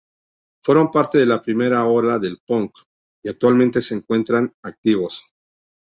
Fueron parte de la primera ola del punk, y actualmente se encuentran activos.